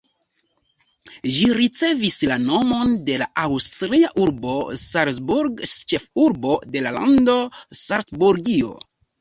Ĝi ricevis la nomon de la aŭstria urbo Salzburg, ĉefurbo de la lando Salcburgio.